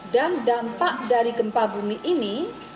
dan dampak dari gempa bumi ini